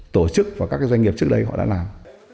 tổ chức và các doanh nghiệp trước đây họ đã làm